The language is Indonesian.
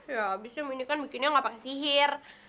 ya abisnya minya kan bikinnya gak pakai sihir